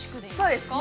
◆そうです。